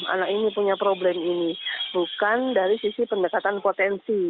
anak ini punya problem ini bukan dari sisi pendekatan potensi